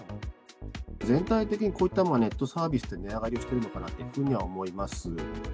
全体的にこういったネットサービスは値上がりしているのかなっていうふうには思います。